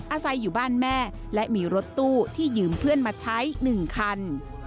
อาศัยอยู่บ้านแม่และมีรถตู้ที่ยืมเพื่อนมาใช้๑คัน